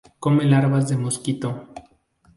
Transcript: Come larvas de mosquito.